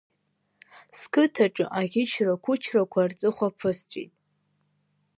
Сқыҭаҿы аӷьычра-қәычрақәа рҵыхәа ԥысҵәеит…